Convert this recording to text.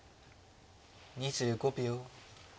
２５秒。